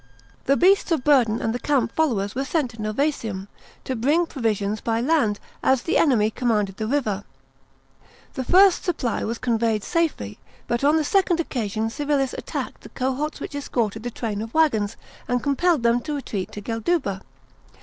The beasts of burden and the camp followers were sent to JS'ovassium, to brh'g provisiors by land, as the enemy commanded the river. rJhe fiist supply Mas conveyed safely, but on the second occasion Civilis attacked the cohorts which escorted the train of waggons, and compelled them to retreat to Gelduba.